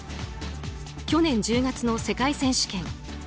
去年１０月の世界選手権。